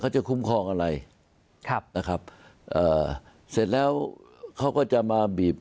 เขาจะคุ้มครองอะไรนะครับเสร็จแล้วเขาก็จะมาบีบ